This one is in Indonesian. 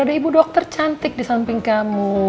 ada ibu dokter cantik di samping kamu